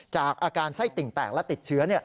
จากอาการไส้ติ่งแตกและติดเชื้อ